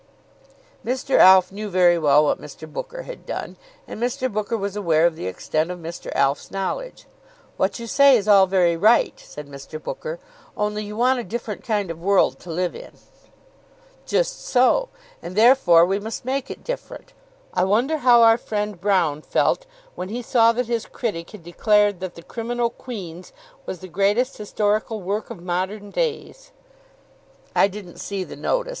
Mr. Alf knew very well what Mr. Booker had done, and Mr. Booker was aware of the extent of Mr. Alf's knowledge. "What you say is all very right," said Mr. Booker; "only you want a different kind of world to live in." "Just so; and therefore we must make it different. I wonder how our friend Broune felt when he saw that his critic had declared that the 'Criminal Queens' was the greatest historical work of modern days." "I didn't see the notice.